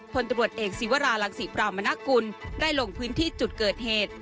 พ่นตรวจเอกซิวรารองสิเปรามนฆได้ลงพื้นที่จุดเกิดเหตุ